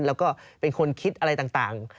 แล้วก็เป็นคนคิดอะไรต่าง